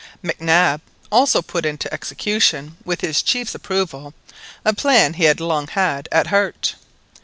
Mac Nab also put into execution, with his chief's approval, a plan he had long had at heart.